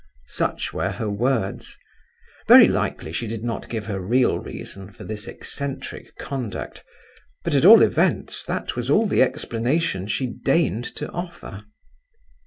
Such were her words—very likely she did not give her real reason for this eccentric conduct; but, at all events, that was all the explanation she deigned to offer.